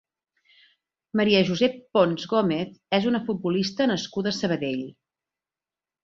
Maria Josep Pons Gómez és una futbolista nascuda a Sabadell.